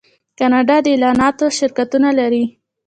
کاناډا د اعلاناتو شرکتونه لري.